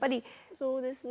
そうですね。